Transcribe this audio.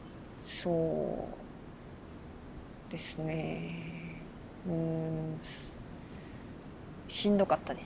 そうですねうん。